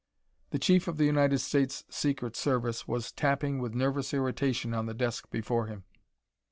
The Chief of the United States Secret Service was tapping with nervous irritation on the desk before him.